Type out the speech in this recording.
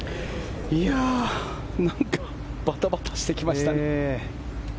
いやあ、なんかバタバタしてきましたね。